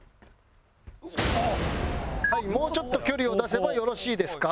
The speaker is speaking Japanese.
もうちょっと距離を出せばよろしいですか？